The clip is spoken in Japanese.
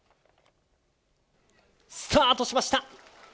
スタートしました。